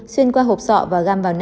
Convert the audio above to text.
xuyên qua hộp sọ và gam vào não